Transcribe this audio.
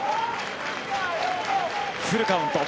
フルカウント。